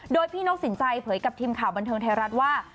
โดยพี่นกสินใจเผยกับทีมข่าวบันเทิงไทยรัฐว่า